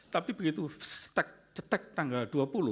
tapi begitu cetek tanggal dua puluh